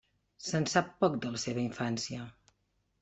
Se'n sap poc de la seva infància.